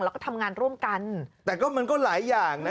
แล้วก็ทำงานร่วมกันแต่ก็มันก็หลายอย่างนะ